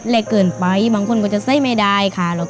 เล็กเกินไปบางคนก็จะใส่ไม่ได้ค่ะ